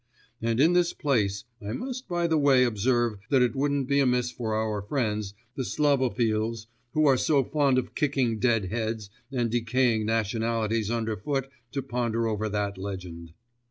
And in this place, I must by the way observe that it wouldn't be amiss for our friends, the Slavophils, who are so fond of kicking dead heads and decaying nationalities underfoot to ponder over that legend.